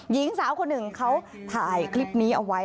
หญิงสาวคนหนึ่งเขาถ่ายคลิปนี้เอาไว้